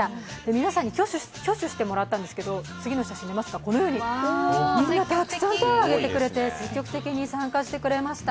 皆さんに挙手してもらったんですが、このようにたくさん手を挙げてくれて積極的に参加してくれました。